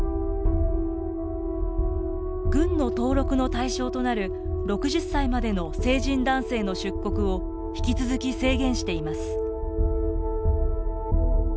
軍の登録の対象となる６０歳までの成人男性の出国を引き続き制限しています。